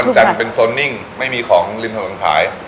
จันทร์เป็นโซนนิ่งไม่มีของริมถนนขาย